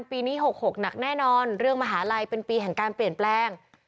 ปีนี้๖๖หนักแน่นอนเรื่องมหาลัยเป็นปีแห่งการเปลี่ยนแปลง